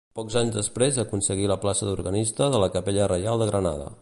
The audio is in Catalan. Pocs anys després aconseguí la plaça d'organista de la Capella Reial de Granada.